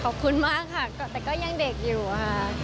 ขอบคุณมากค่ะแต่ก็ยังเด็กอยู่ค่ะ